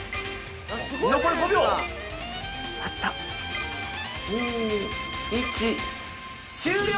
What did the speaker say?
残り５秒あった２１終了！